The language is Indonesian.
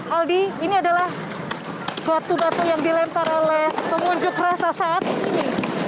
aldi ini adalah batu batu yang dilempar oleh pengunjuk rasa saat ini